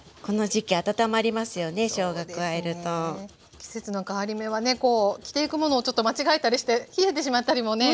季節の変わり目はねこう着ていくものをちょっと間違えたりして冷えてしまったりもねしますから。